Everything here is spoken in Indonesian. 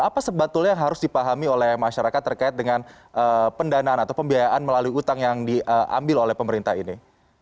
apa sebetulnya yang harus dipahami oleh masyarakat terkait dengan pendanaan atau pembiayaan melalui utang yang diambil oleh pemerintah ini